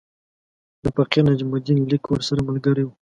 د فقیر نجم الدین لیک ورسره ملګری وو.